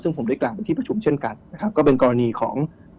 ซึ่งผมได้กล่าวเป็นที่ประชุมเช่นกันนะครับก็เป็นกรณีของ